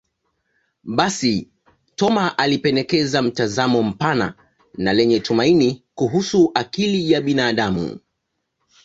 Basi, Thoma alipendekeza mtazamo mpana na lenye tumaini kuhusu akili ya binadamu.